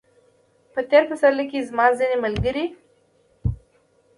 په تېر پسرلي کې زما ځینې ملګري